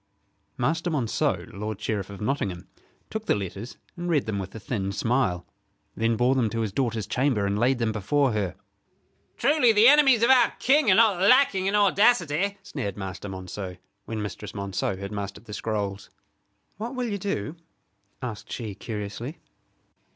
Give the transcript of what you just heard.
Master Monceux, lord Sheriff of Nottingham, took the letters and read them with a thin smile; then bore them to his daughter's chamber, and laid them before her. "Truly the enemies of our King are not lacking in audacity," sneered Master Monceux, when Mistress Monceux had mastered the scrolls. "What will you do?" asked she, curiously.